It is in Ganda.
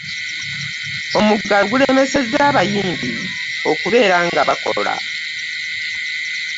omugalo gulemeseza abayimbi okubeera nga bbakola